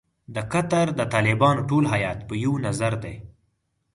د قطر د طالبانو ټول هیات په یوه نظر دی.